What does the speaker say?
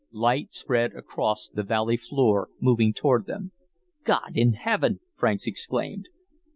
Light spread across the valley floor, moving toward them. "God in heaven!" Franks exclaimed.